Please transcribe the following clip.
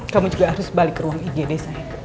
kamu juga harus balik ke ruang igd saya